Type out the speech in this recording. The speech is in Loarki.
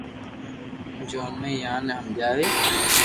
ھمجيو ھمي يا ني ھمجاوي